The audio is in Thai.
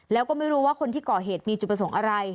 แล้วก็ไม่รู้ว่าคนที่ก่อเหตุมีจุดประสงค์อะไร